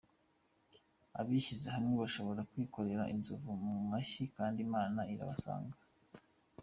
Abishyize hamwe bashobora kwikorera inzovu ku mashyi kandi Imana irabasanga.